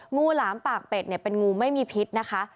หลามปากเป็ดเป็นงูไม่มีพิษนะคะ